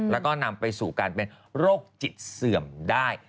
แล้วก็นำไปสู่การเป็นโรคจิตเสื่อมได้